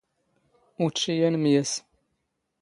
ⵓⵜⵛⵉ ⴰⵏⵎⵢⴰⵙ.